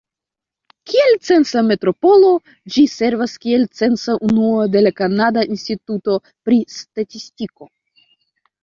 Kiel censa metropolo, ĝi servas kiel censa unuo de la Kanada Instituto pri Statistiko.